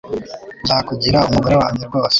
nzakujyira umugore wanjye rwose